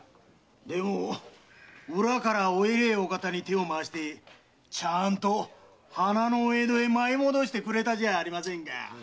でも裏からお偉いお方に手を回してちゃんと花のお江戸へ舞い戻してくれたじゃありませんか。